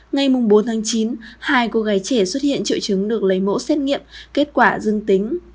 ngay mùng bốn tháng chín hai cô gái trẻ xuất hiện triệu chứng được lấy mẫu xét nghiệm kết quả dương tính